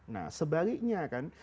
nah sebaliknya kan